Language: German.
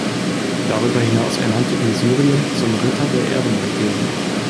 Darüberhinaus ernannte ihn Syrien zum Ritter der Ehrenlegion.